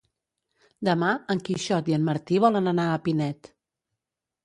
Demà en Quixot i en Martí volen anar a Pinet.